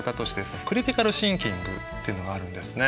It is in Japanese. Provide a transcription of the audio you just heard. クリティカル・シンキングっていうのがあるんですね。